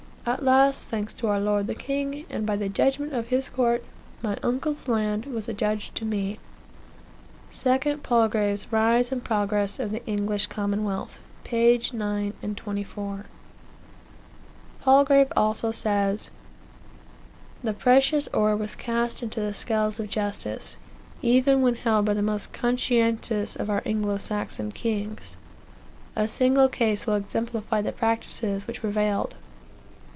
"At last, thanks to our lord the king, and by judgment of his court, my uncle's land was adjudged to me." 2 Palgrave's Rise and Progress of the English Commonwealth, p. 9 and 24. Palgrave also says: "The precious ore was cast into the scales of justice, even when held by the most conscientious of our Anglo Saxon kings. A single case will exemplify the practices which prevailed.